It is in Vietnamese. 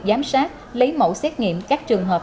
giám sát lấy mẫu xét nghiệm các trường hợp